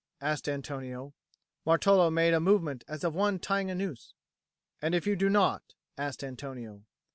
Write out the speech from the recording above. asked Antonio. Martolo made a movement as of one tying a noose. "And if you do not?" asked Antonio.